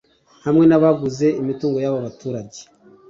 hamwe n’abaguze imitungo y’abo baturage